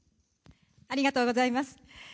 ありがとうございます。